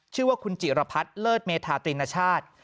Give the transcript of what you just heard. ชื่อว่าคุณจิรพัฒน์เลิศเมธาตรินชาติ